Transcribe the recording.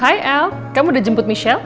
hai al kamu udah jemput michelle